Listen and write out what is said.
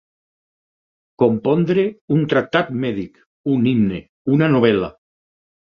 Compondre un tractat mèdic, un himne, una novel·la.